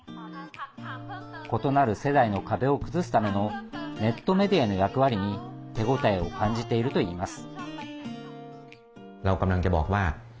異なる世代の壁を崩すためのネットメディアの役割に手応えを感じているといいます。